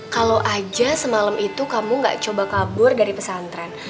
kalau aja semalam itu kamu gak coba kabur dari pesantren